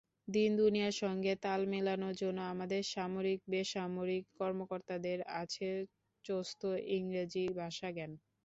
দিন-দুনিয়ার সঙ্গে তাল মেলানোর জন্য আমাদের সামরিক-বেসামরিক কর্মকর্তাদের আছে চোস্ত ইংরেজি ভাষাজ্ঞান।